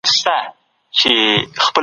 ارواپوهنه د انسان چلند تر څېړنې لاندې نیسي.